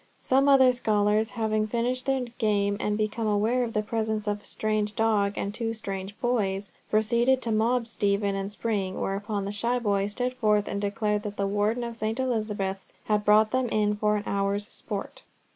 Some other scholars having finished their game, and become aware of the presence of a strange dog and two strange boys, proceeded to mob Stephen and Spring, whereupon the shy boy stood forth and declared that the Warden of St. Elizabeth's had brought them in for an hour's sport.